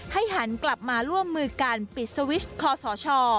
หันกลับมาร่วมมือการปิดสวิชคอสช